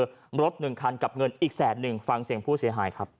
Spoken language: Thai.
รถหนึ่งคันกับเงินอีกแสนหนึ่งฟังเสียงผู้เสียหายครับ